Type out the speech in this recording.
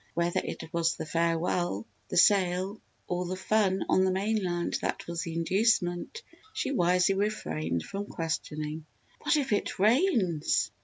Whether it was the farewell, the sail, or the fun on the mainland that was the inducement, she wisely refrained from questioning. "What if it rains!"